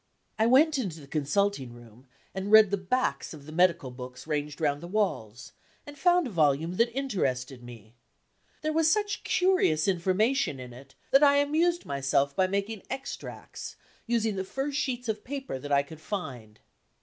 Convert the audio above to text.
I went into the consulting room, and read the backs of the medical books ranged round the walls, and found a volume that interested me. There was such curious information in it that I amused myself by making extracts, using the first sheets of paper that I could find.